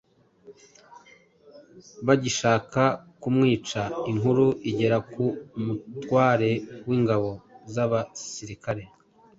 Bagishaka kumwica, inkuru igera ku mutware w’ingabo z’abasirikare,